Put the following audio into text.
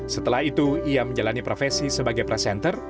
setelah itu ia menjalani profesi sebagai presenter